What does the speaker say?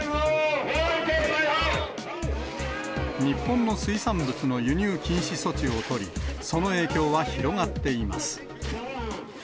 日本の水産物の輸入禁止措置を取り、その影響は広がっています。